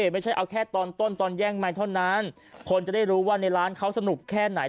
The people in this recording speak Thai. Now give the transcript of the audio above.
ไม่ใช่เอาแค่ตอนต้นตอนแย่งไมค์เท่านั้นคนจะได้รู้ว่าในร้านเขาสนุกแค่ไหน